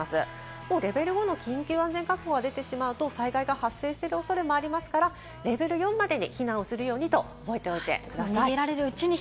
一方、レベル５の緊急安全確保が出てしまうと災害が発生している恐れもありますから、レベル４までに避難するようにと思っておいてください。